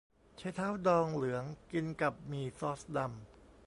ไชเท้าดองเหลือง กินกับหมี่ซอสดำ